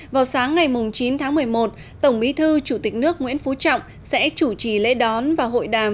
vào sáng ngày chín tháng một mươi một tổng bí thư chủ tịch nước nguyễn phú trọng sẽ chủ trì lễ đón và hội đàm